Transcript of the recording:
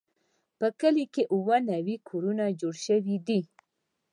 په کلي کې اووه نوي کورونه جوړ شوي دي.